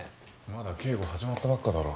まだ警護始まったばっかだろ。